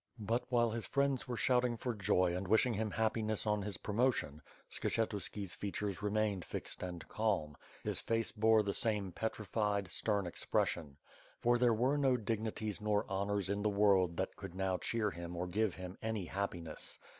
But, while his friends were shouting for joy and wishing him happiness on. his promotion, Skshetuski's features re mained fixed and calm; his face bore the same petrified, stern expression. For there were no dignities nor honors in the world that could now cheer him or give him any happiness.